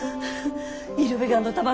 イルベガンの卵。